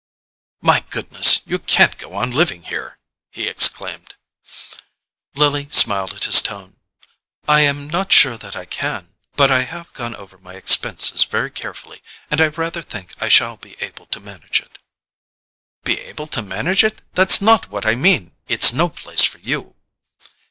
"My goodness—you can't go on living here!" he exclaimed. Lily smiled at his tone. "I am not sure that I can; but I have gone over my expenses very carefully, and I rather think I shall be able to manage it." "Be able to manage it? That's not what I mean—it's no place for you!"